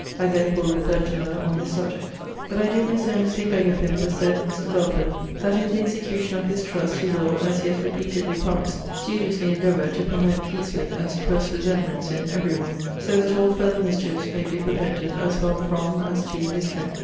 I therefore refer to her on this subject. But I do most earnestly beg of him the said Mr. Belford, that, in the execution of his trust, he will (as he has repeatedly promised) studiously endeavour to promote peace with, and suppress resentments in, every one; so that all farther mischiefs may be prevented, as well from, as to, his friend.